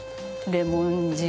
レモン汁ね。